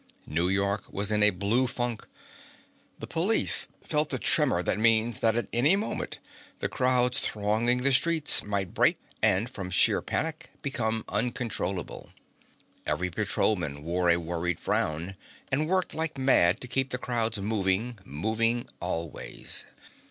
New York was in a blue funk. The police felt the tremor that means that at any moment the crowds thronging the streets might break and from sheer panic become uncontrollable. Every patrolman wore a worried frown and worked like mad to keep the crowds moving, moving always.